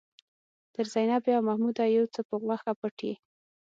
تر زينبې او محموده يو څه په غوښه پټ يې.